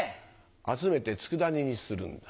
集めてつくだ煮にするんだ。